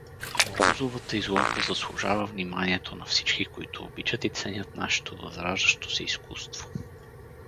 Морозовата изложба заслужава вниманието на всички, които обичат и ценят нашето възраждащо се изкуство.